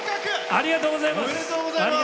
ありがとうございます！